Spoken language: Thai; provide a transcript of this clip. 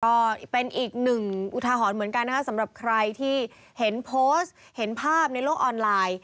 ก็เป็นอีกหนึ่งอุทาหรณ์เหมือนกันนะคะสำหรับใครที่เห็นโพสต์เห็นภาพในโลกออนไลน์